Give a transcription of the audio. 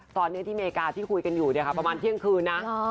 ตอนนี้ที่อเมริกาที่คุยกันอยู่ประมาณเที่ยงคืนนะ